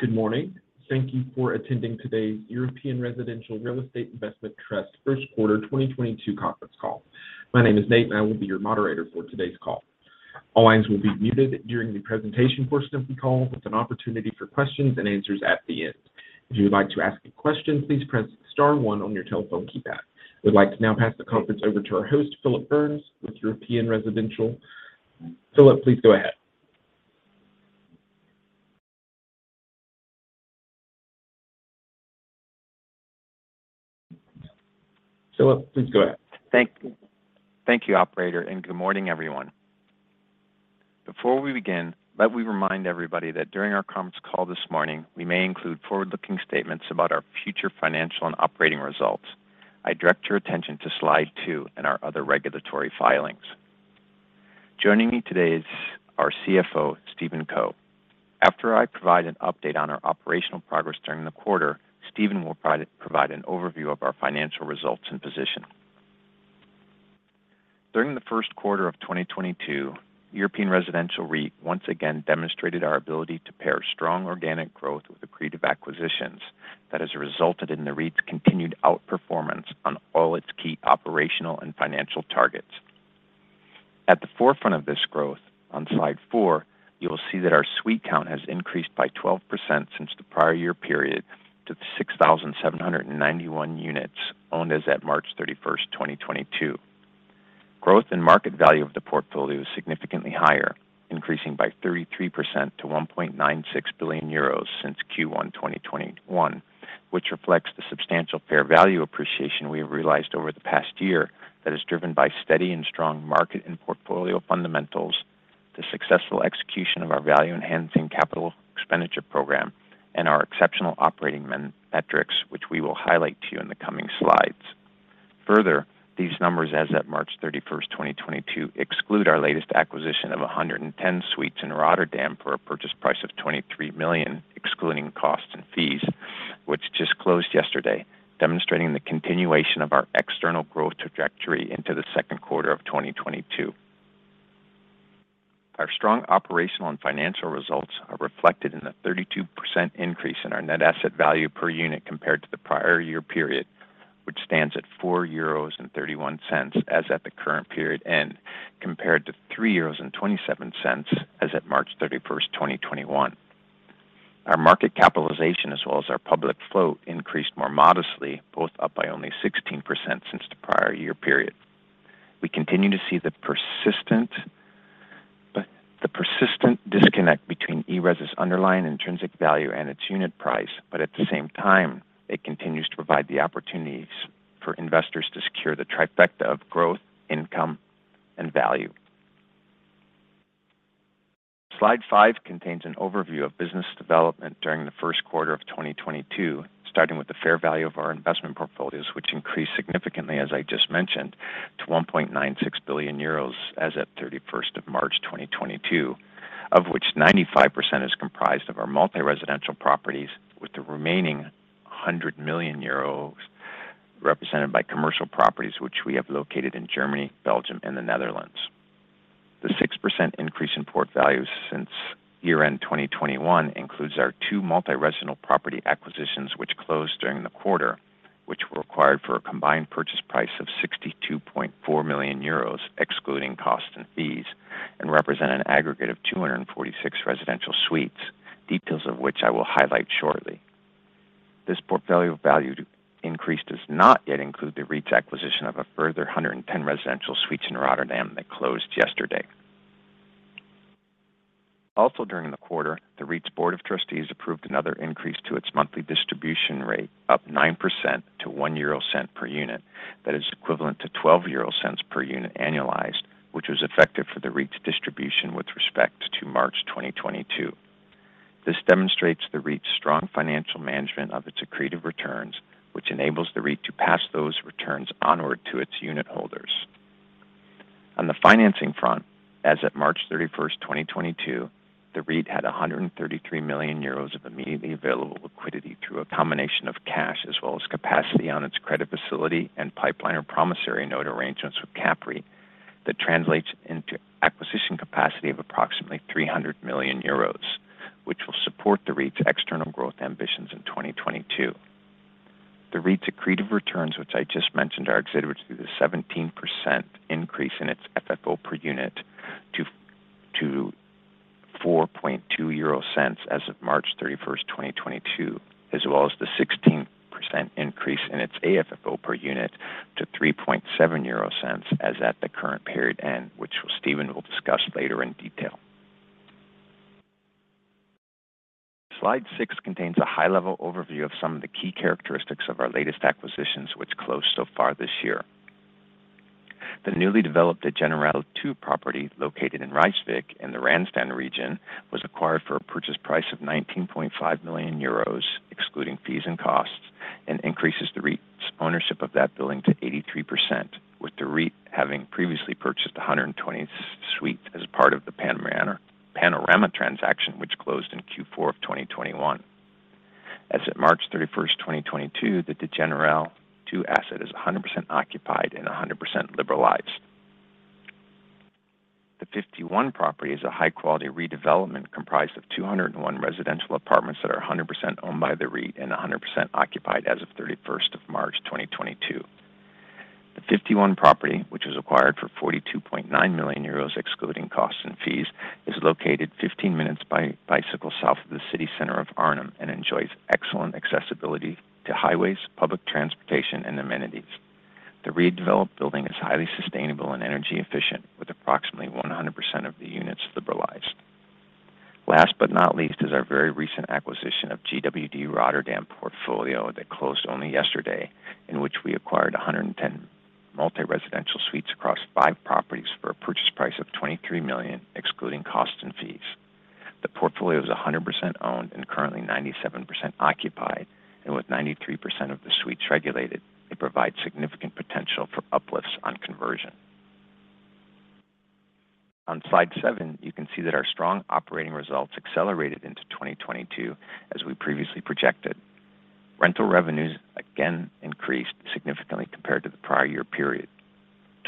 Good morning. Thank you for attending today's European Residential Real Estate Investment Trust first quarter 2022 conference call. My name is Nate, and I will be your moderator for today's call. All lines will be muted during the presentation portion of the call with an opportunity for questions and answers at the end. If you would like to ask a question, please press star one on your telephone keypad. I would like to now pass the conference over to our host, Phillip Burns with European Residential. Phillip, please go ahead. Thank you. Thank you, operator, and good morning, everyone. Before we begin, let me remind everybody that during our conference call this morning, we may include forward-looking statements about our future financial and operating results. I direct your attention to slide two and our other regulatory filings. Joining me today is our CFO, Stephen Co. After I provide an update on our operational progress during the quarter, Stephen Co will provide an overview of our financial results and position. During the first quarter of 2022, European Residential REIT once again demonstrated our ability to pair strong organic growth with accretive acquisitions that has resulted in the REIT's continued outperformance on all its key operational and financial targets. At the forefront of this growth, on slide four, you will see that our suite count has increased by 12% since the prior year period to 6,791 units owned as at March 31, 2022. Growth in market value of the portfolio is significantly higher, increasing by 33% to 1.96 billion euros since Q1 2021, which reflects the substantial fair value appreciation we have realized over the past year that is driven by steady and strong market and portfolio fundamentals, the successful execution of our value enhancing capital expenditure program, and our exceptional operating metrics, which we will highlight to you in the coming slides. Further, these numbers as at March 31, 2022 exclude our latest acquisition of 110 suites in Rotterdam for a purchase price of 23 million, excluding costs and fees, which just closed yesterday, demonstrating the continuation of our external growth trajectory into the second quarter of 2022. Our strong operational and financial results are reflected in the 32% increase in our Net Asset Value per unit compared to the prior year period, which stands at 4.31 euros as at the current period end, compared to 3.27 euros as at March 31, 2021. Our market capitalization as well as our public float increased more modestly, both up by only 16% since the prior year period. We continue to see the persistent disconnect between ERES' underlying intrinsic value and its unit price, but at the same time, it continues to provide the opportunities for investors to secure the trifecta of growth, income, and value. Slide five contains an overview of business development during the first quarter of 2022, starting with the fair value of our investment portfolios, which increased significantly, as I just mentioned, to 1.96 billion euros as at March 31, 2022, of which 95% is comprised of our multi-residential properties with the remaining 100 million euros represented by commercial properties which we have located in Germany, Belgium, and the Netherlands. The 6% increase in portfolio values since year-end 2021 includes our two multi-residential property acquisitions which closed during the quarter, which were acquired for a combined purchase price of 62.4 million euros excluding costs and fees, and represent an aggregate of 246 residential suites, details of which I will highlight shortly. This portfolio value increase does not yet include the REIT's acquisition of a further 110 residential suites in Rotterdam that closed yesterday. Also during the quarter, the REIT's board of trustees approved another increase to its monthly distribution rate, up 9% to 0.01 per unit. That is equivalent to 0.12 per unit annualized, which was effective for the REIT's distribution with respect to March 2022. This demonstrates the REIT's strong financial management of its accretive returns, which enables the REIT to pass those returns onward to its unitholders. On the financing front, as at March 31, 2022, the REIT had 133 million euros of immediately available liquidity through a combination of cash as well as capacity on its credit facility and pipeline or promissory note arrangements with CAPREIT that translates into acquisition capacity of approximately 300 million euros, which will support the REIT's external growth ambitions in 2022. The REIT's accretive returns, which I just mentioned, are exhibited through the 17% increase in its FFO per unit to 0.042 as of March 31, 2022, as well as the 16% increase in its AFFO per unit to 0.037 as at the current period end, which Stephen will discuss later in detail. Slide six contains a high-level overview of some of the key characteristics of our latest acquisitions which closed so far this year. The newly developed De Generaal Two property located in Rijswijk in the Randstad region was acquired for a purchase price of 19.5 million euros, excluding fees and costs, and increases the REIT's ownership of that building to 83%, with the REIT having previously purchased 120 suites as part of the Panorama transaction, which closed in Q4 of 2021. As at March 31, 2022, the De Generaal Two asset is 100% occupied and 100% liberalized. The 51 property is a high quality redevelopment comprised of 201 residential apartments that are 100% owned by the REIT and 100% occupied as of 31 of March 2022. The 51 property, which was acquired for 42.9 million euros excluding costs and fees, is located 15 minutes by bicycle south of the city center of Arnhem and enjoys excellent accessibility to highways, public transportation, and amenities. The redeveloped building is highly sustainable and energy efficient, with approximately 100% of the units liberalized. Last but not least is our very recent acquisition of GWD Rotterdam portfolio that closed only yesterday, in which we acquired 110 multi-residential suites across five properties for a purchase price of 23 million, excluding costs and fees. The portfolio is 100% owned and currently 97% occupied, and with 93% of the suites regulated, it provides significant potential for uplifts on conversion. On slide seven, you can see that our strong operating results accelerated into 2022 as we previously projected. Rental revenues again increased significantly compared to the prior year period.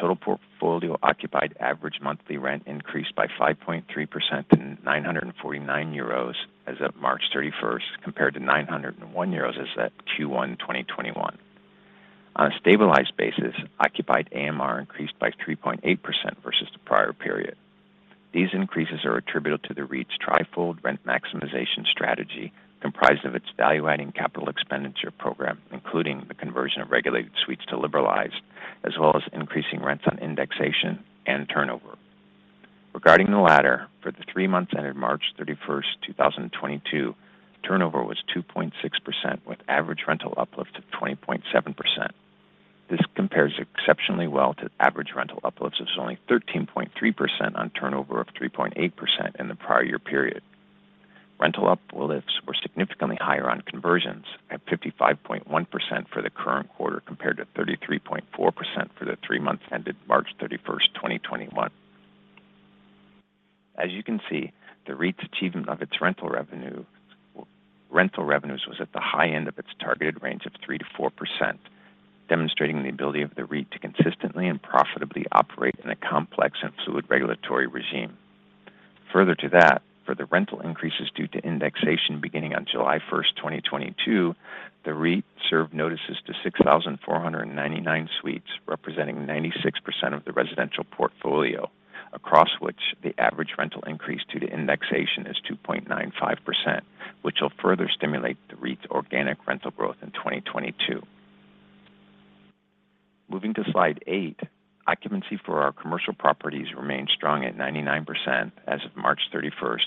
Total portfolio occupied average monthly rent increased by 5.3% to 949 euros as of March 31, compared to 901 euros as at Q1 2021. On a stabilized basis, occupied AMR increased by 3.8% versus the prior period. These increases are attributed to the REIT's threefold rent maximization strategy, comprised of its value-adding capital expenditure program, including the conversion of regulated suites to liberalized, as well as increasing rents on indexation and turnover. Regarding the latter, for the three months ended March 31, 2022, turnover was 2.6% with average rental uplift of 20.7%. This compares exceptionally well to average rental uplifts of only 13.3% on turnover of 3.8% in the prior year period. Rental uplifts were significantly higher on conversions at 55.1% for the current quarter, compared to 33.4% for the three months ended March 31, 2021. As you can see, the REIT's achievement of its rental revenues was at the high end of its targeted range of 3%-4%, demonstrating the ability of the REIT to consistently and profitably operate in a complex and fluid regulatory regime. Further to that, for the rental increases due to indexation beginning on July 1, 2022, the REIT served notices to 6,499 suites, representing 96% of the residential portfolio, across which the average rental increase due to indexation is 2.95%, which will further stimulate the REIT's organic rental growth in 2022. Moving to slide eight, occupancy for our commercial properties remained strong at 99% as of March 31,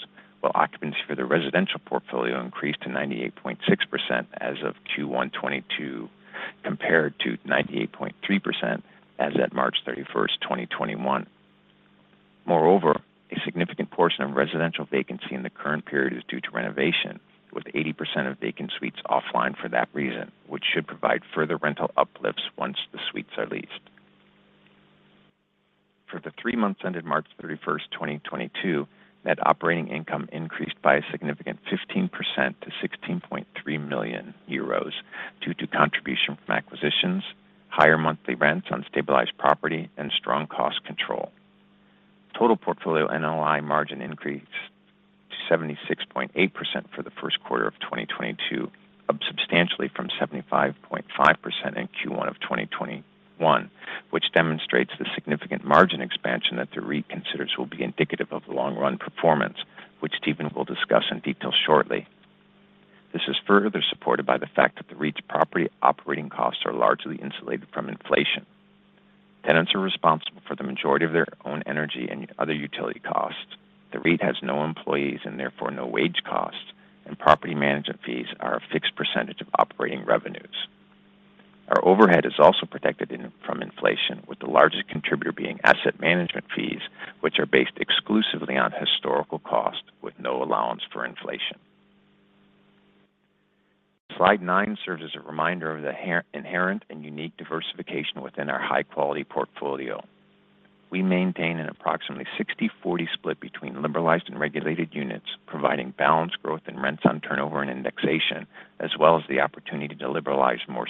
while occupancy for the residential portfolio increased to 98.6% as of Q1 2022, compared to 98.3% as at March 31, 2021. Moreover, a significant portion of residential vacancy in the current period is due to renovation, with 80% of vacant suites offline for that reason, which should provide further rental uplifts once the suites are leased. For the three months ended March 31, 2022, net operating income increased by a significant 15% to 16.3 million euros due to contribution from acquisitions, higher monthly rents on stabilized property, and strong cost control. Total portfolio NOI margin increased to 76.8% for the first quarter of 2022, up substantially from 75.5% in Q1 of 2021, which demonstrates the significant margin expansion that the REIT considers will be indicative of long run performance, which Stephen will discuss in detail shortly. This is further supported by the fact that the REIT's property operating costs are largely insulated from inflation. Tenants are responsible for the majority of their own energy and other utility costs. The REIT has no employees and therefore no wage costs, and property management fees are a fixed percentage of operating revenues. Our overhead is also protected from inflation, with the largest contributor being asset management fees, which are based exclusively on historical cost with no allowance for inflation. Slide nine serves as a reminder of the inherent and unique diversification within our high-quality portfolio. We maintain an approximately 60/40 split between liberalized and regulated units, providing balanced growth in rents on turnover and indexation, as well as the opportunity to liberalize more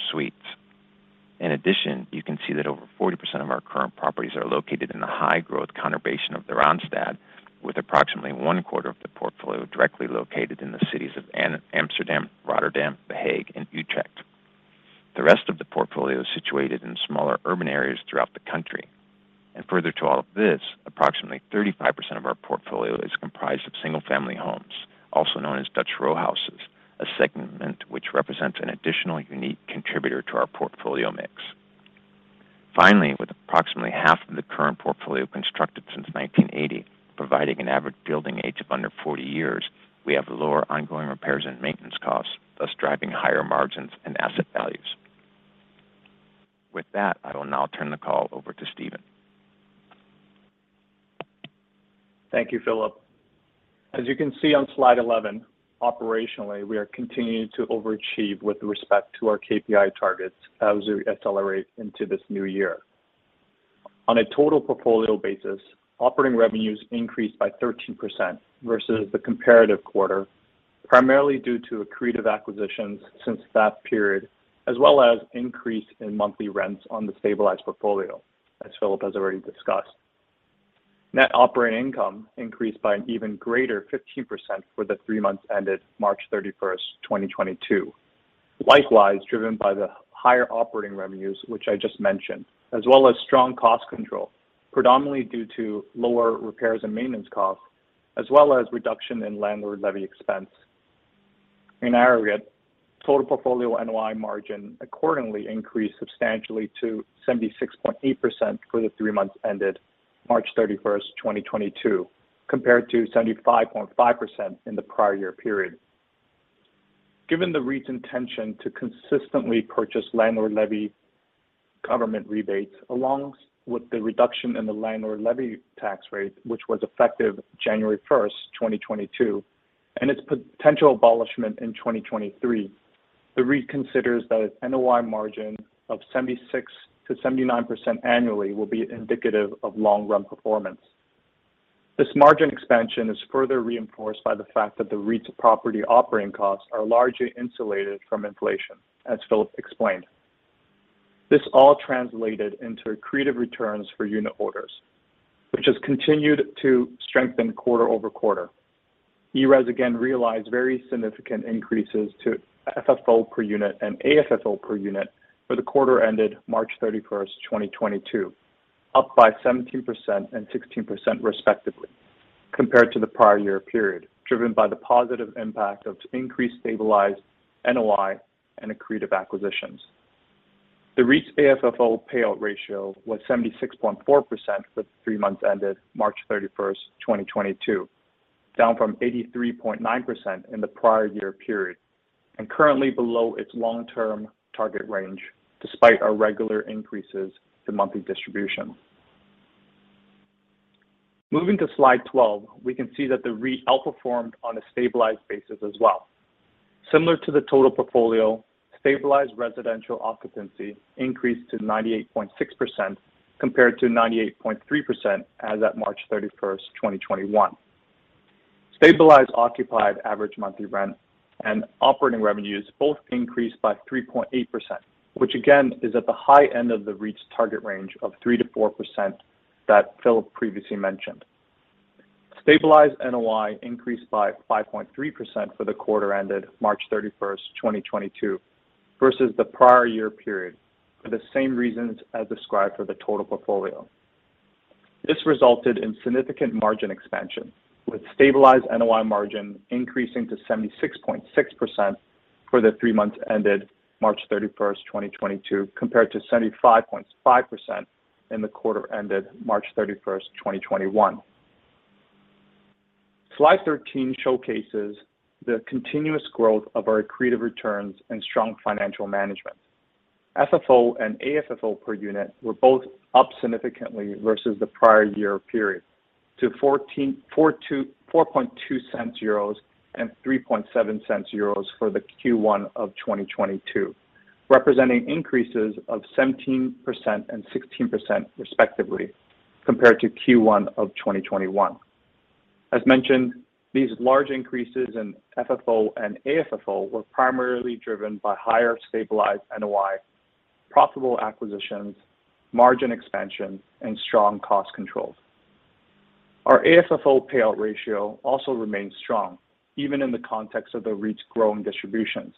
suites. In addition, you can see that over 40% of our current properties are located in the high-growth conurbation of the Randstad, with approximately one-quarter of the portfolio directly located in the cities of Amsterdam, Rotterdam, The Hague, and Utrecht. The rest of the portfolio is situated in smaller urban areas throughout the country. Further to all of this, approximately 35% of our portfolio is comprised of single-family homes, also known as Dutch row houses, a segment which represents an additional unique contributor to our portfolio mix. Finally, with approximately half of the current portfolio constructed since 1980, providing an average building age of under 40 years, we have lower ongoing repairs and maintenance costs, thus driving higher margins and asset values. With that, I will now turn the call over to Stephen. Thank you, Phillip. As you can see on slide 11, operationally, we are continuing to overachieve with respect to our KPI targets as we accelerate into this new year. On a total portfolio basis, operating revenues increased by 13% versus the comparative quarter. Primarily due to accretive acquisitions since that period, as well as increase in monthly rents on the stabilized portfolio, as Phillip has already discussed. Net operating income increased by an even greater 15% for the three months ended March 31, 2022. Likewise, driven by the higher operating revenues, which I just mentioned, as well as strong cost control, predominantly due to lower repairs and maintenance costs, as well as reduction in landlord levy expense. In aggregate, total portfolio NOI margin accordingly increased substantially to 76.8% for the three months ended March 31, 2022, compared to 75.5% in the prior year period. Given the REIT's intention to consistently purchase landlord levy government rebates, along with the reduction in the landlord levy tax rate, which was effective January 1, 2022, and its potential abolishment in 2023, the REIT considers that its NOI margin of 76%-79% annually will be indicative of long-run performance. This margin expansion is further reinforced by the fact that the REIT's property operating costs are largely insulated from inflation, as Phillip explained. This all translated into accretive returns for unit holders, which has continued to strengthen quarter-over-quarter. ERES again realized very significant increases to FFO per unit and AFFO per unit for the quarter ended March 31, 2022, up by 17% and 16% respectively compared to the prior year period, driven by the positive impact of increased stabilized NOI and accretive acquisitions. The REIT's AFFO payout ratio was 76.4% for the three months ended March 31, 2022, down from 83.9% in the prior year period, and currently below its long-term target range, despite our regular increases to monthly distribution. Moving to slide 12, we can see that the REIT outperformed on a stabilized basis as well. Similar to the total portfolio, stabilized residential occupancy increased to 98.6% compared to 98.3% as at March 31, 2021. Stabilized occupied average monthly rent and operating revenues both increased by 3.8%, which again is at the high end of the REIT's target range of 3%-4% that Philip previously mentioned. Stabilized NOI increased by 5.3% for the quarter ended March 31, 2022 versus the prior year period for the same reasons as described for the total portfolio. This resulted in significant margin expansion, with stabilized NOI margin increasing to 76.6% for the three months ended March 31, 2022 compared to 75.5% in the quarter ended March 31, 2021. Slide 13 showcases the continuous growth of our accretive returns and strong financial management. FFO and AFFO per unit were both up significantly versus the prior year period to 0.144 and 0.037 for Q1 of 2022, representing increases of 17% and 16% respectively compared to Q1 of 2021. These large increases in FFO and AFFO were primarily driven by higher stabilized NOI, profitable acquisitions, margin expansion, and strong cost controls. Our AFFO payout ratio also remains strong, even in the context of the REIT's growing distributions.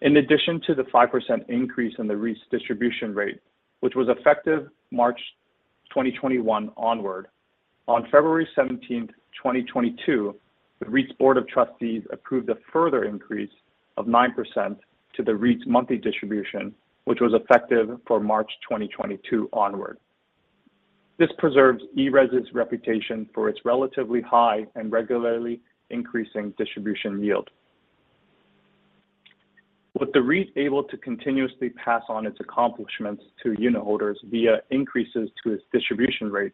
In addition to the 5% increase in the REIT's distribution rate, which was effective March 2021 onward, on February 17, 2022, the REIT's board of trustees approved a further increase of 9% to the REIT's monthly distribution, which was effective for March 2022 onward. This preserves ERES's reputation for its relatively high and regularly increasing distribution yield. With the REIT able to continuously pass on its accomplishments to unit holders via increases to its distribution rate,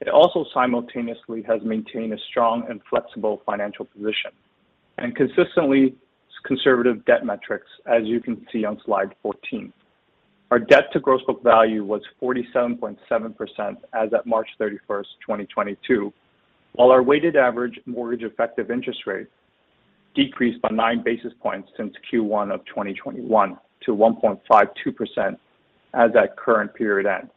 it also simultaneously has maintained a strong and flexible financial position and consistently conservative debt metrics, as you can see on slide 14. Our debt to gross book value was 47.7% as at March 31st, 2022, while our weighted average mortgage effective interest rate decreased by nine basis points since Q1 of 2021 to 1.52% as at current period end.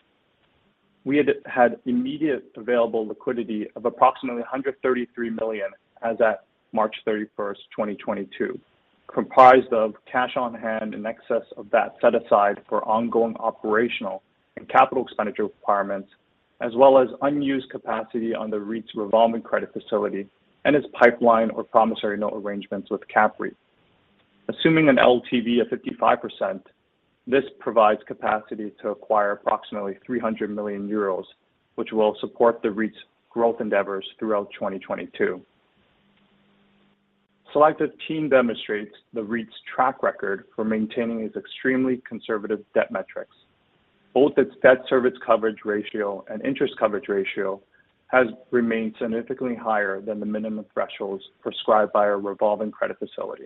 We had immediate available liquidity of approximately 133 million as at March 31, 2022, comprised of cash on hand in excess of that set aside for ongoing operational and capital expenditure requirements, as well as unused capacity on the REIT's revolving credit facility and its pipeline or promissory note arrangements with CAPREIT. Assuming an LTV of 55%, this provides capacity to acquire approximately 300 million euros, which will support the REIT's growth endeavors throughout 2022. Slide 15 demonstrates the REIT's track record for maintaining its extremely conservative debt metrics. Both its debt service coverage ratio and interest coverage ratio has remained significantly higher than the minimum thresholds prescribed by our revolving credit facility.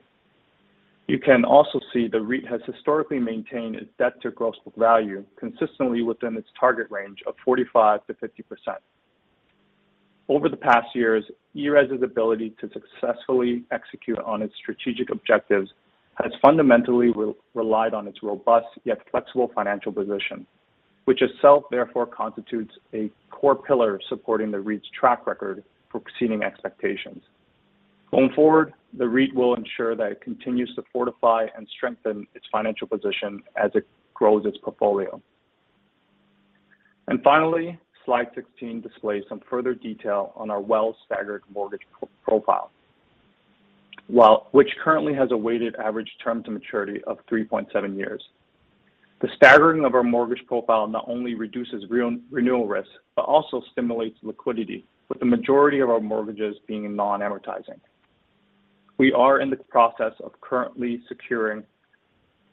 You can also see the REIT has historically maintained its debt to gross book value consistently within its target range of 45%-50%. Over the past years, ERES' ability to successfully execute on its strategic objectives has fundamentally relied on its robust yet flexible financial position, which itself therefore constitutes a core pillar supporting the REIT's track record for exceeding expectations. Going forward, the REIT will ensure that it continues to fortify and strengthen its financial position as it grows its portfolio. Finally, slide 16 displays some further detail on our well staggered mortgage profile, which currently has a weighted average term to maturity of 3.7 years. The staggering of our mortgage profile not only reduces renewal risk, but also stimulates liquidity with the majority of our mortgages being non-amortizing. We are in the process of currently securing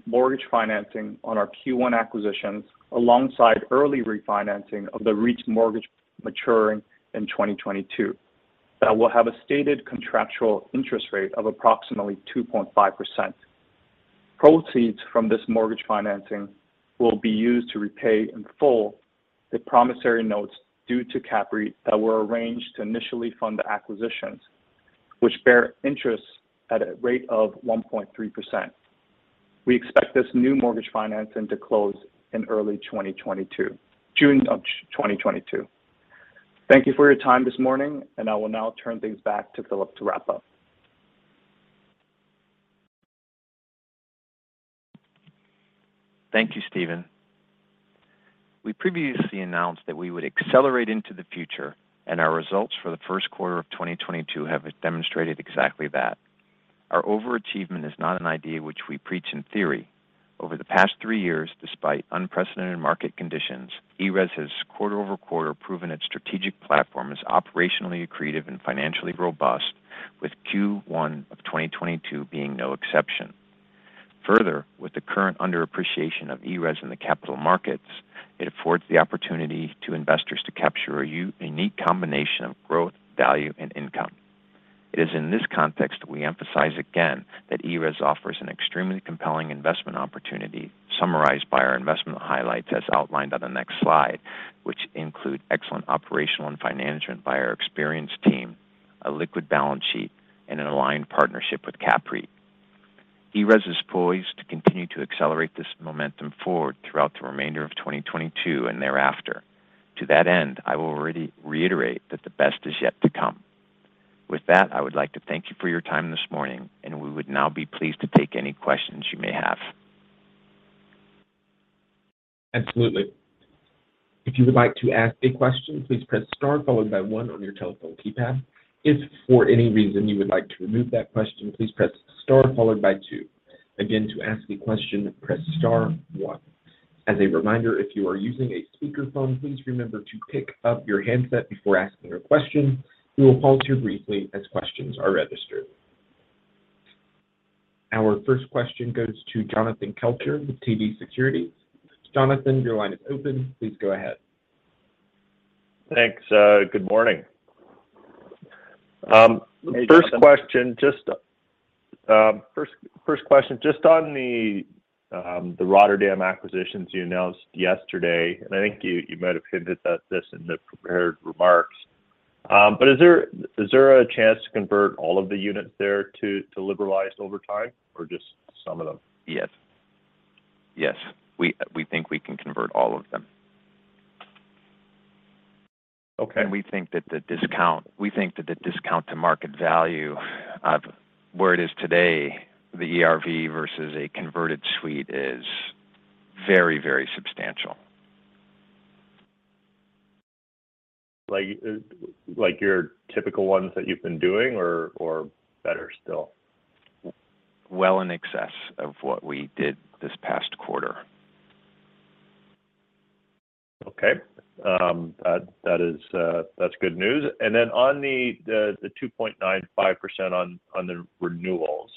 mortgage financing on our Q1 acquisitions alongside early refinancing of the REIT's mortgage maturing in 2022 that will have a stated contractual interest rate of approximately 2.5%. Proceeds from this mortgage financing will be used to repay in full the promissory notes due to CAPREIT that were arranged to initially fund the acquisitions, which bear interest at a rate of 1.3%. We expect this new mortgage financing to close in early 2022, June of 2022. Thank you for your time this morning, and I will now turn things back to Philip to wrap up. Thank you, Stephen. We previously announced that we would accelerate into the future, and our results for the first quarter of 2022 have demonstrated exactly that. Our overachievement is not an idea which we preach in theory. Over the past three years, despite unprecedented market conditions, ERES has quarter-over-quarter proven its strategic platform is operationally accretive and financially robust, with Q1 of 2022 being no exception. Further, with the current underappreciation of ERES in the capital markets, it affords the opportunity to investors to capture a unique combination of growth, value, and income. It is in this context, we emphasize again that ERES offers an extremely compelling investment opportunity summarized by our investment highlights as outlined on the next slide, which include excellent operational and financial by our experienced team, a liquid balance sheet, and an aligned partnership with CAPREIT. ERES is poised to continue to accelerate this momentum forward throughout the remainder of 2022 and thereafter. To that end, I will reiterate that the best is yet to come. With that, I would like to thank you for your time this morning, and we would now be pleased to take any questions you may have. Absolutely. If you would like to ask a question, please press star followed by one on your telephone keypad. If for any reason you would like to remove that question, please press star followed by two. Again, to ask a question, press star one. As a reminder, if you are using a speakerphone, please remember to pick up your handset before asking a question. We will pause here briefly as questions are registered. Our first question goes to Jonathan Kelcher with TD Securities. Jonathan, your line is open. Please go ahead. Thanks. Good morning. Hey, Jonathan. First question, just on the Rotterdam acquisitions you announced yesterday, and I think you might have hinted at this in the prepared remarks, but is there a chance to convert all of the units there to liberalize over time or just some of them? Yes. We think we can convert all of them. Okay. We think that the discount to market value of where it is today, the ERV versus a converted suite is very, very substantial. Like your typical ones that you've been doing or better still? Well in excess of what we did this past quarter. Okay. That's good news. On the 2.95% on the renewals,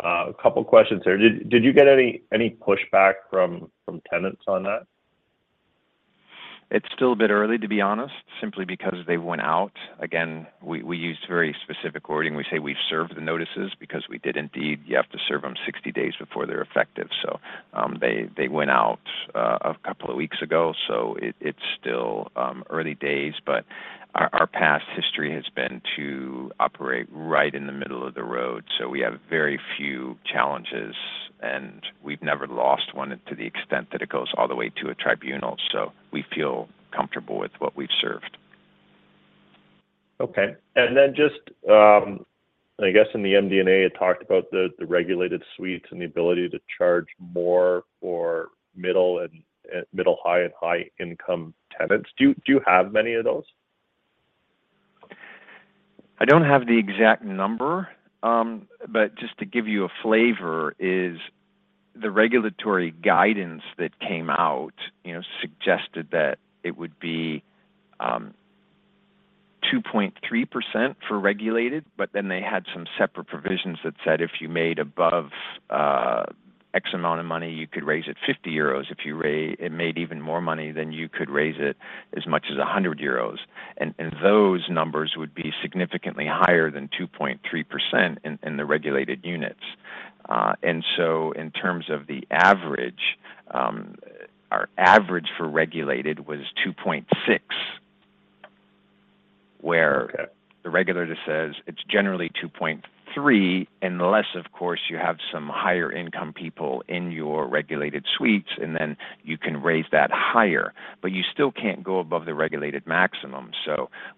a couple questions there. Did you get any pushback from tenants on that? It's still a bit early, to be honest, simply because they went out. Again, we used very specific wording. We say we've served the notices because we did indeed. You have to serve them 60 days before they're effective. They went out a couple of weeks ago, so it's still early days. Our past history has been to operate right in the middle of the road. We have very few challenges, and we've never lost one to the extent that it goes all the way to a tribunal. We feel comfortable with what we've served. Okay. Just, I guess in the MD&A, it talked about the regulated suites and the ability to charge more for middle and high income tenants. Do you have many of those? I don't have the exact number, but just to give you a flavor is the regulatory guidance that came out, you know, suggested that it would be 2.3% for regulated, but then they had some separate provisions that said if you made above a certain amount of money, you could raise it 50 euros. If it made even more money, then you could raise it as much as 100 euros. Those numbers would be significantly higher than 2.3% in the regulated units. In terms of the average, our average for regulated was 2.6%. Okay. Where the regulator says it's generally 2.3%, unless, of course, you have some higher income people in your regulated suites, and then you can raise that higher. You still can't go above the regulated maximum.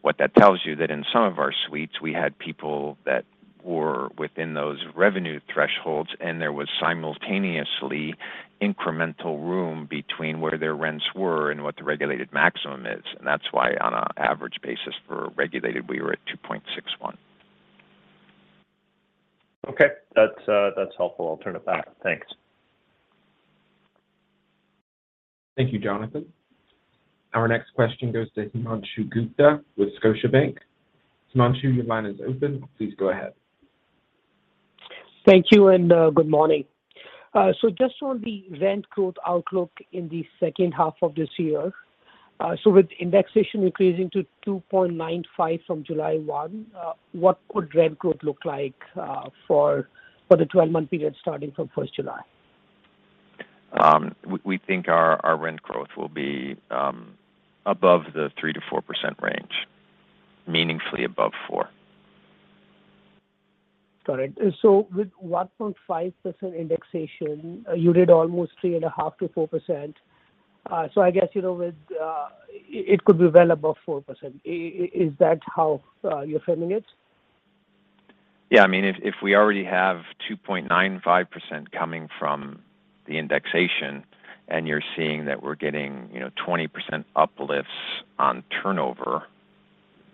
What that tells you that in some of our suites, we had people that were within those revenue thresholds, and there was simultaneously incremental room between where their rents were and what the regulated maximum is. That's why on a average basis for regulated, we were at 2.61%. Okay. That's helpful. I'll turn it back. Thanks. Thank you, Jonathan. Our next question goes to Himanshu Gupta with Scotiabank. Himanshu, your line is open. Please go ahead. Thank you and good morning. Just on the rent growth outlook in the second half of this year. With indexation increasing to 2.95 from July 1, what could rent growth look like for the twelve-month period starting from July 1? We think our rent growth will be above the 3%-4% range, meaningfully above 4%. Got it. With 1.5% indexation, you did almost 3.5%-4%. I guess, you know, with it could be well above 4%. Is that how you're framing it? Yeah. I mean, if we already have 2.95% coming from the indexation and you're seeing that we're getting, you know, 20% uplifts on turnover,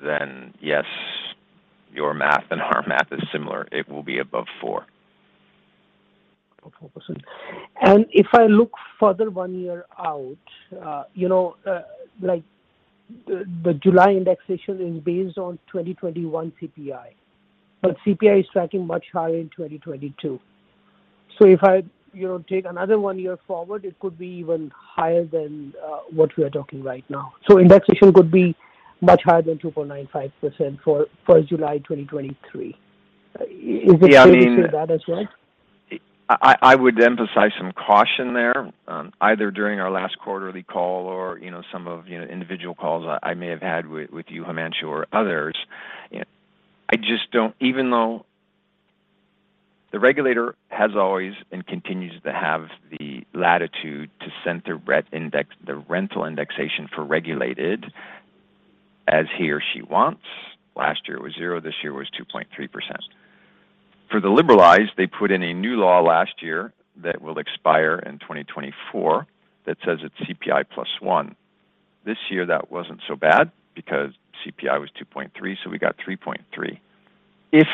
then yes, your math and our math is similar. It will be above 4%. Above 4%. If I look further one year out, you know, like the July indexation is based on 2021 CPI. CPI is tracking much higher in 2022. If I, you know, take another one year forward, it could be even higher than what we are talking right now. Indexation could be much higher than 2.95% for first July 2023. Is it? Yeah. I mean. Fair to say that as well? I would emphasize some caution there. Either during our last quarterly call or, you know, some of individual calls I may have had with you, Himanshu or others. I just don't even though the regulator has always and continues to have the latitude to set the rental indexation for regulated as he or she wants. Last year it was 0, this year it was 2.3%. For the liberalized, they put in a new law last year that will expire in 2024 that says it's CPI plus one. This year, that wasn't so bad because CPI was 2.3, so we got 3.3%. If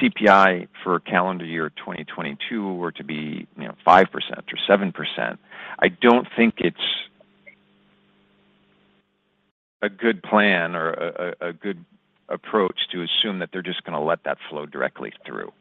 CPI for calendar year 2022 were to be, you know, 5% or 7%, I don't think it's a good plan or a good approach to assume that they're just gonna let that flow directly through.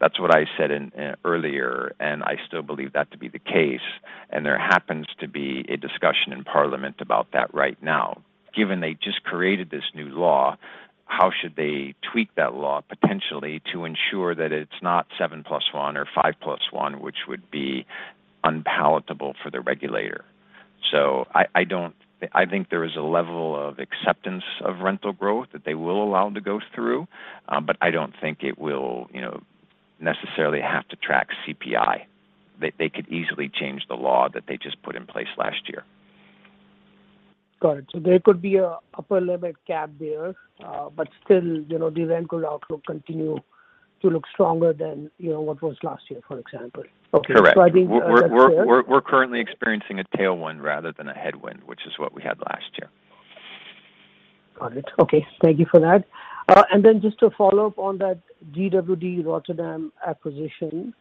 That's what I said in earlier, and I still believe that to be the case. There happens to be a discussion in parliament about that right now. Given they just created this new law, how should they tweak that law potentially to ensure that it's not seven + one or five + one, which would be unpalatable for the regulator. I don't think there is a level of acceptance of rental growth that they will allow to go through, but I don't think it will, you know, necessarily have to track CPI. They could easily change the law that they just put in place last year. Got it. There could be an upper limit cap there, but still, you know, the rent growth outlook continue to look stronger than, you know, what was last year, for example. Correct. Okay. I think. We're currently experiencing a tailwind rather than a headwind, which is what we had last year. Got it. Okay. Thank you for that. Just to follow up on that GWD Rotterdam acquisition,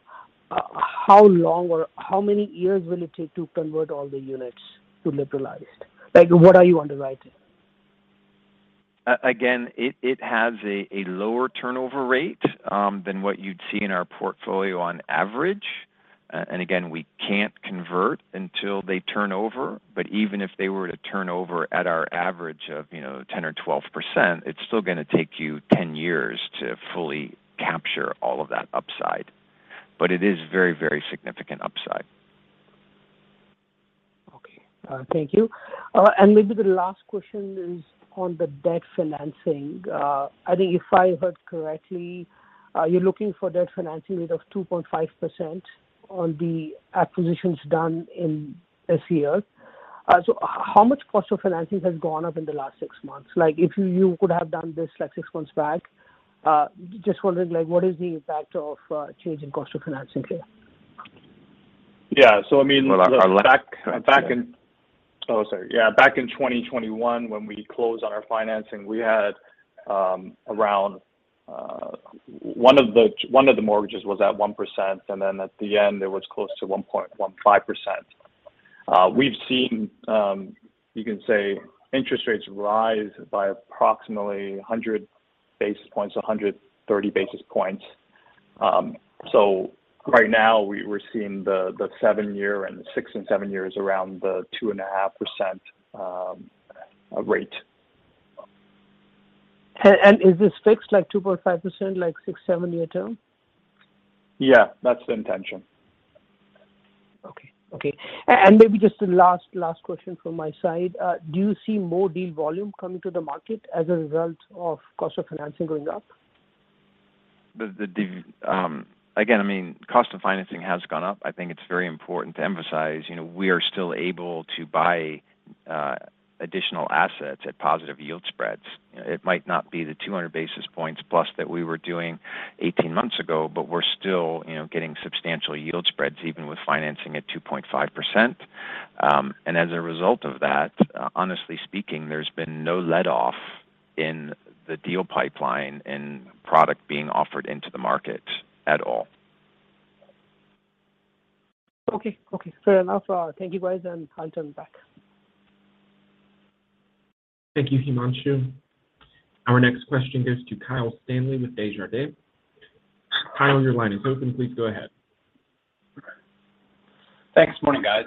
how long or how many years will it take to convert all the units to liberalized? Like, what are you underwriting? Again, it has a lower turnover rate than what you'd see in our portfolio on average. Again, we can't convert until they turn over. Even if they were to turn over at our average of, you know, 10% or 12%, it's still gonna take you 10 years to fully capture all of that upside. It is very, very significant upside. Okay. Thank you. Maybe the last question is on the debt financing. I think if I heard correctly, you're looking for debt financing rate of 2.5% on the acquisitions done in this year. How much cost of financing has gone up in the last six months? Like, if you could have done this like six months back, just wondering, like, what is the impact of change in cost of financing here? Yeah. I mean. Well, I'll let. Back in 2021, when we closed on our financing, we had around, one of the mortgages was at 1%, and then at the end it was close to 1.15%. We've seen you can say interest rates rise by approximately 100 basis points, 130 basis points. Right now we're seeing the seven-year and six and seven-year around the 2.5% rate. Is this fixed like 2.5%, like six to seven-year term? Yeah, that's the intention. Okay. Maybe just the last question from my side. Do you see more deal volume coming to the market as a result of cost of financing going up? Again, I mean, cost of financing has gone up. I think it's very important to emphasize, you know, we are still able to buy additional assets at positive yield spreads. It might not be the 200 basis points plus that we were doing 18 months ago, but we're still, you know, getting substantial yield spreads even with financing at 2.5%. As a result of that, honestly speaking, there's been no let off in the deal pipeline and product being offered into the market at all. Okay. Fair enough. Thank you guys, and I'll turn it back. Thank you, Himanshu. Our next question goes to Kyle Stanley with Desjardins. Kyle, your line is open. Please go ahead. Thanks. Morning, guys.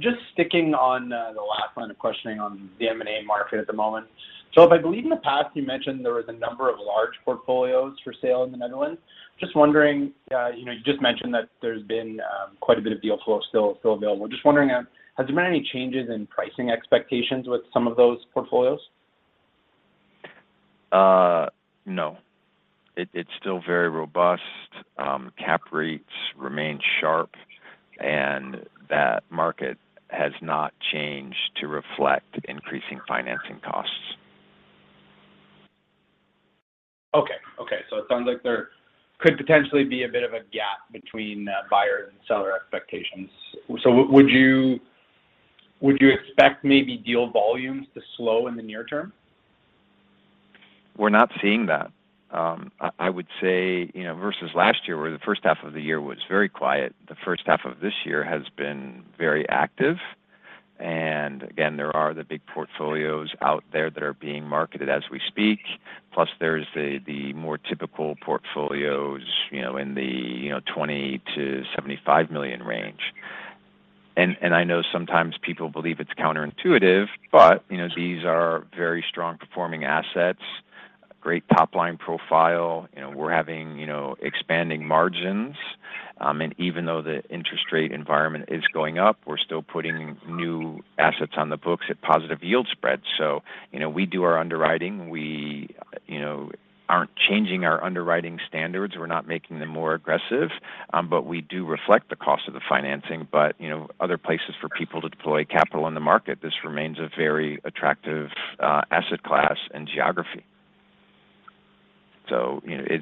Just sticking on the last line of questioning on the M&A market at the moment. If I believe in the past you mentioned there was a number of large portfolios for sale in the Netherlands. Just wondering, you know, you just mentioned that there's been quite a bit of deal flow still available. Just wondering, has there been any changes in pricing expectations with some of those portfolios? No. It's still very robust. Cap rates remain sharp, and that market has not changed to reflect increasing financing costs. Okay. It sounds like there could potentially be a bit of a gap between buyer and seller expectations. Would you expect maybe deal volumes to slow in the near term? We're not seeing that. I would say, you know, versus last year, where the first half of the year was very quiet, the first half of this year has been very active. Again, there are the big portfolios out there that are being marketed as we speak. Plus there's the more typical portfolios, you know, in the you know, 20 million-75 million range. I know sometimes people believe it's counterintuitive, but, you know, these are very strong performing assets, great top-line profile. You know, we're having, you know, expanding margins. Even though the interest rate environment is going up, we're still putting new assets on the books at positive yield spreads. You know, we do our underwriting. We, you know, aren't changing our underwriting standards. We're not making them more aggressive. We do reflect the cost of the financing. you know, other places for people to deploy capital in the market, this remains a very attractive asset class and geography. You know,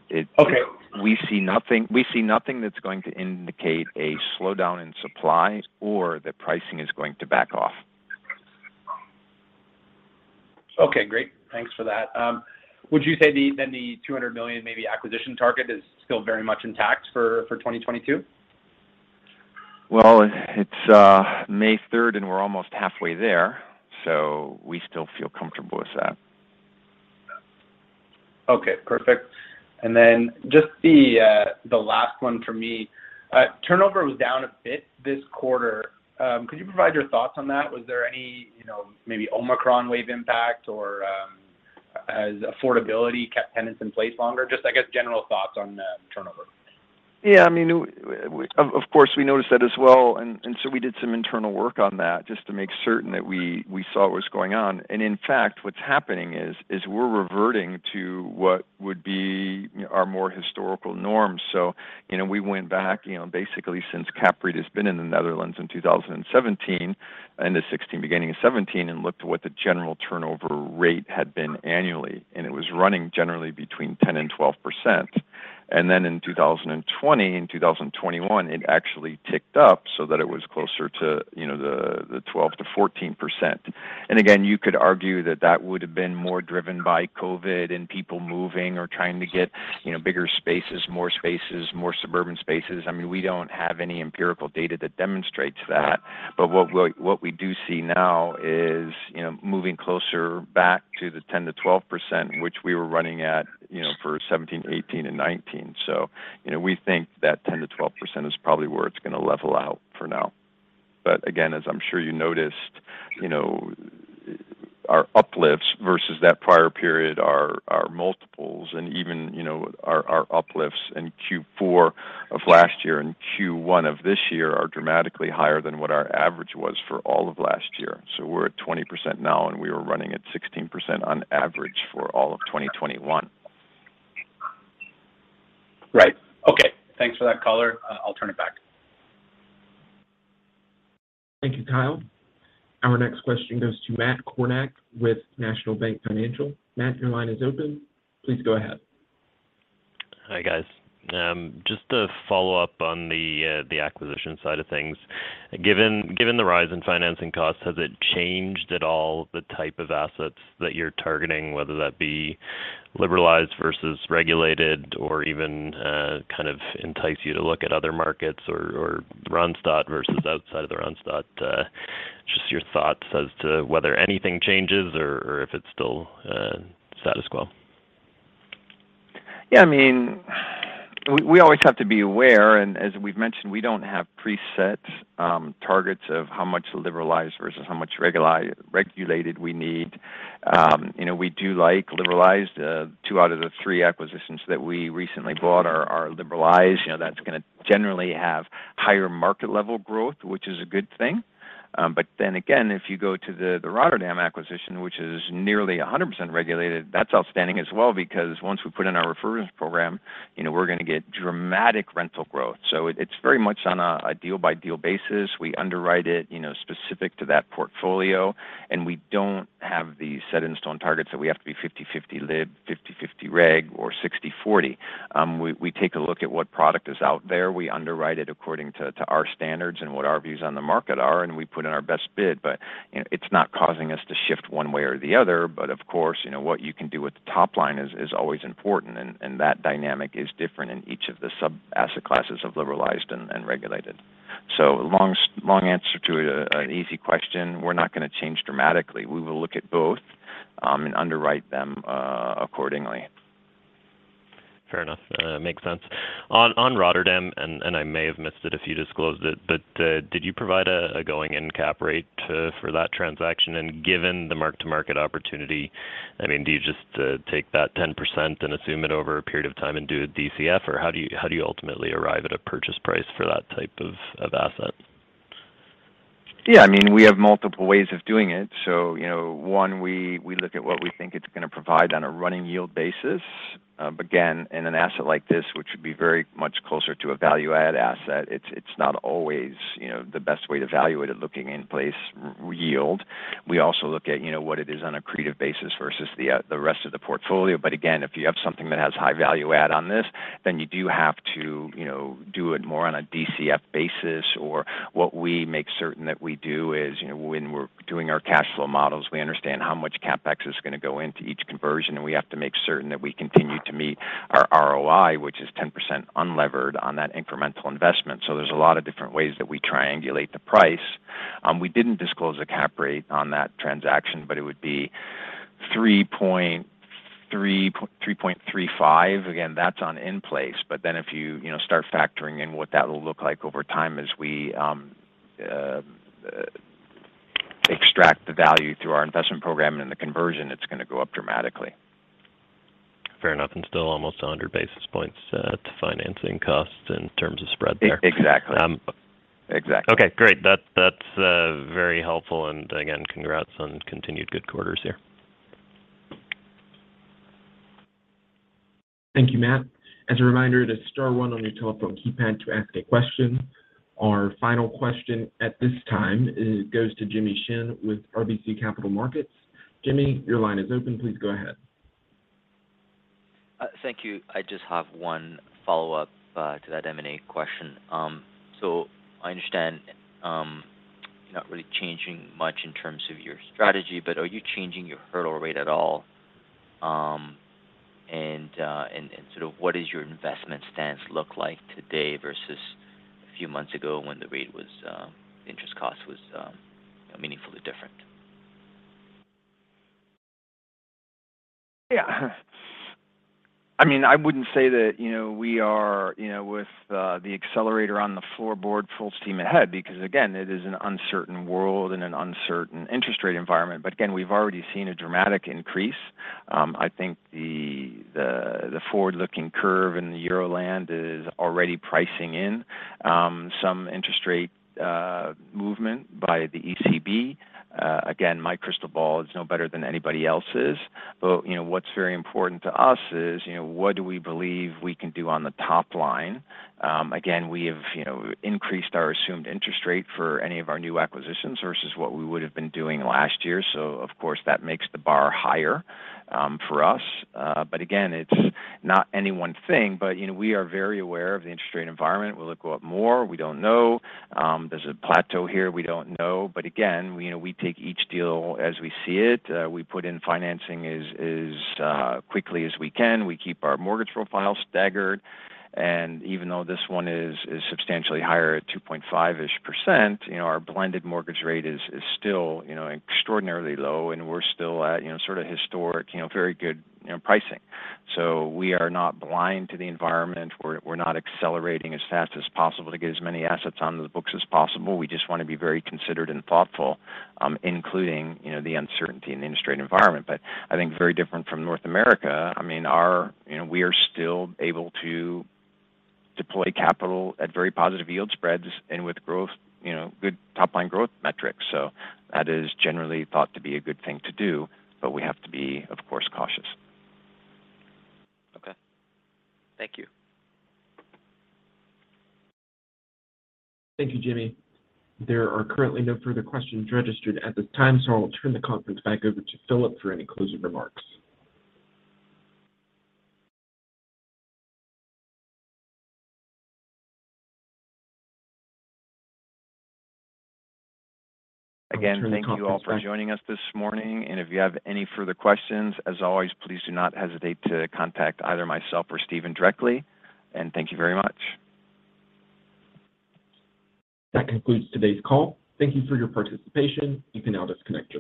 it. Okay We see nothing that's going to indicate a slowdown in supply or that pricing is going to back off. Okay, great. Thanks for that. Would you say then the 200 million maybe acquisition target is still very much intact for 2022? Well, it's May third, and we're almost halfway there, so we still feel comfortable with that. Okay, perfect. Just the last one for me. Turnover was down a bit this quarter. Could you provide your thoughts on that? Was there any, you know, maybe Omicron wave impact, or has affordability kept tenants in place longer? Just, I guess, general thoughts on turnover. Yeah, I mean, of course, we noticed that as well, and so we did some internal work on that just to make certain that we saw what was going on. In fact, what's happening is we're reverting to what would be our more historical norms. You know, we went back, you know, basically since CAPREIT has been in the Netherlands in 2017, end of 2016, beginning of 2017, and looked at what the general turnover rate had been annually, and it was running generally between 10%-12%. Then in 2020 and 2021, it actually ticked up so that it was closer to, you know, the 12%-14%. Again, you could argue that that would have been more driven by COVID and people moving or trying to get, you know, bigger spaces, more spaces, more suburban spaces. I mean, we don't have any empirical data that demonstrates that. What we do see now is, you know, moving closer back to the 10%-12%, which we were running at, you know, for 2017, 2018, and 2019. You know, we think that 10%-12% is probably where it's gonna level out for now. Again, as I'm sure you noticed, you know, our uplifts versus that prior period, our multiples and even, you know, our uplifts in Q4 of last year and Q1 of this year are dramatically higher than what our average was for all of last year. We're at 20% now, and we were running at 16% on average for all of 2021. Right. Okay. Thanks for that color. I'll turn it back. Thank you, Kyle. Our next question goes to Matt Kornack with National Bank Financial. Matt, your line is open. Please go ahead. Hi, guys. Just to follow up on the acquisition side of things. Given the rise in financing costs, has it changed at all the type of assets that you're targeting, whether that be liberalized versus regulated or even kind of entice you to look at other markets or Randstad versus outside of the Randstad. Just your thoughts as to whether anything changes or if it's still status quo. Yeah, I mean, we always have to be aware, and as we've mentioned, we don't have preset targets of how much liberalized versus how much regulated we need. You know, we do like liberalized. Two out of the three acquisitions that we recently bought are liberalized. You know, that's gonna generally have higher market level growth, which is a good thing. Again, if you go to the Rotterdam acquisition, which is nearly 100% regulated, that's outstanding as well, because once we put in our renovation program, you know, we're gonna get dramatic rental growth. It's very much on a deal by deal basis. We underwrite it, you know, specific to that portfolio, and we don't have the set in stone targets that we have to be 50/50 lib, 50/50 reg, or 60/40. We take a look at what product is out there. We underwrite it according to our standards and what our views on the market are, and we put in our best bid. You know, it's not causing us to shift one way or the other. Of course, you know, what you can do with the top line is always important and that dynamic is different in each of the sub-asset classes of liberalized and regulated. Long answer to an easy question. We're not gonna change dramatically. We will look at both and underwrite them accordingly. Fair enough. Makes sense. On Rotterdam, and I may have missed it if you disclosed it, but did you provide a going in cap rate to, for that transaction? Given the mark to market opportunity, I mean, do you just take that 10% and assume it over a period of time and do a DCF? Or how do you ultimately arrive at a purchase price for that type of asset? Yeah, I mean, we have multiple ways of doing it. You know, one, we look at what we think it's gonna provide on a running yield basis. In an asset like this, which would be very much closer to a value-add asset, it's not always, you know, the best way to evaluate it looking at in-place yield. We also look at, you know, what it is on an accretive basis versus the rest of the portfolio. If you have something that has high value-add on this, then you do have to, you know, do it more on a DCF basis. What we make certain that we do is, you know, when we're doing our cash flow models, we understand how much CapEx is gonna go into each conversion, and we have to make certain that we continue to meet our ROI, which is 10% unlevered on that incremental investment. So there's a lot of different ways that we triangulate the price. We didn't disclose a cap rate on that transaction, but it would be 3.35. Again, that's on in place. But then if you know, start factoring in what that will look like over time as we extract the value through our investment program and the conversion, it's gonna go up dramatically. Fair enough, still almost 100 basis points to financing costs in terms of spread there. Ex-exactly. Um- Exactly. Okay, great. That's very helpful. Again, congrats on continued good quarters here. Thank you, Matt. As a reminder to star one on your telephone keypad to ask a question. Our final question at this time goes to Jimmy Shan with RBC Capital Markets. Jimmy, your line is open. Please go ahead. Thank you. I just have one follow-up to that M&A question. I understand you're not really changing much in terms of your strategy, but are you changing your hurdle rate at all? Sort of what is your investment stance look like today versus a few months ago when interest cost was meaningfully different? Yeah. I mean, I wouldn't say that, you know, we are, you know, with the accelerator on the floorboard full steam ahead, because again, it is an uncertain world and an uncertain interest rate environment. Again, we've already seen a dramatic increase. I think the forward-looking curve in the Euroland is already pricing in some interest rate movement by the ECB. Again, my crystal ball is no better than anybody else's, but you know, what's very important to us is, you know, what do we believe we can do on the top line? Again, we have, you know, increased our assumed interest rate for any of our new acquisitions versus what we would've been doing last year. Of course that makes the bar higher for us. Again, it's not any one thing, but you know, we are very aware of the interest rate environment. Will it go up more? We don't know. There's a plateau here, we don't know. Again, you know, we take each deal as we see it. We put in financing as quickly as we can. We keep our mortgage profile staggered, and even though this one is substantially higher at 2.5-ish%, you know, our blended mortgage rate is still, you know, extraordinarily low and we're still at, you know, sort of historic, you know, very good, you know, pricing. We are not blind to the environment. We're not accelerating as fast as possible to get as many assets onto the books as possible. We just want to be very considered and thoughtful, including, you know, the uncertainty in the interest rate environment. I think very different from North America, I mean, we are still able to deploy capital at very positive yield spreads and with growth, you know, good top line growth metrics. That is generally thought to be a good thing to do, but we have to be, of course, cautious. Okay. Thank you. Thank you, Jimmy. There are currently no further questions registered at this time, so I'll turn the conference back over to Phillip for any closing remarks. Again, thank you all for joining us this morning, and if you have any further questions, as always, please do not hesitate to contact either myself or Stephen directly, and thank you very much. That concludes today's call. Thank you for your participation. You can now disconnect your